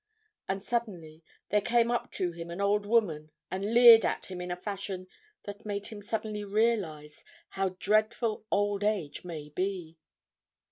And suddenly there came up to him an old woman and leered at him in a fashion that made him suddenly realize how dreadful old age may be.